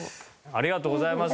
ありがとうございます。